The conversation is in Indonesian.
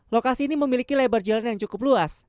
lokasi ini memiliki lebar jalan yang cukup luas